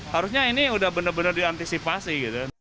harusnya ini sudah benar benar diantisipasi